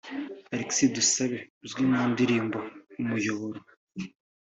Alexis Dusabe uzwi mu ndirimbo Umuyoboro